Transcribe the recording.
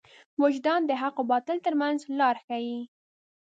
وجدان د حق او باطل تر منځ لار ښيي.